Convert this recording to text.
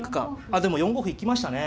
あっでも４五歩行きましたね。